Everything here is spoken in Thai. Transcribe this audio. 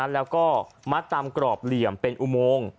แล้วก็มัดตามกรอบเหลี่ยมเป็นอุโมง